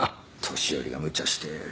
年寄りがむちゃして。